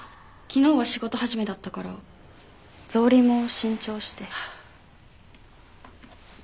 昨日は仕事始めだったから草履も新調して。